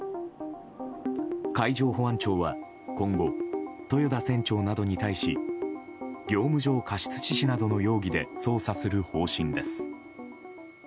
海上保安庁は今後、豊田船長などに対し業務上過失致死などの容疑で捜査する方針です。